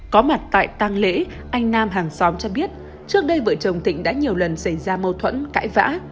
có mặt tại tăng lễ anh nam hàng xóm cho biết trước đây vợ chồng thịnh đã nhiều lần xảy ra mâu thuẫn cãi vã